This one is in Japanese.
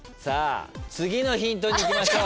次のヒントにいきましょう。